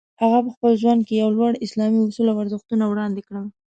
هغه په خپل ژوند کې یو لوړ اسلامي اصول او ارزښتونه وړاندې کړل.